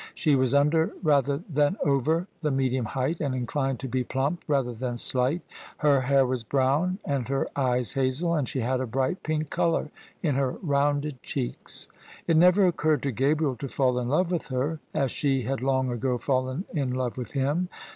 She was under rather than over the medium height : and inclined to be plump rather than sli^t. Her hair was brown, and her eyes hazel, and she had a bri^t pink colour in her rounded cheeks. It never occurred to Gabriel to fall in love with her, as she had long ago fallen in love with him.